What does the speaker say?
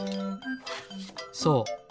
そう。